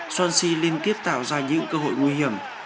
sonci liên tiếp tạo ra những cơ hội nguy hiểm